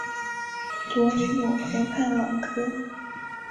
罗尼永河畔朗科。